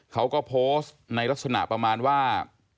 เขาก็โพสต์ในลักษณะประมาณว่า